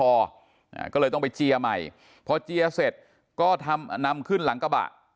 ก็เลยต้องไปเจียร์ใหม่พอเจียเสร็จก็ทำนำขึ้นหลังกระบะ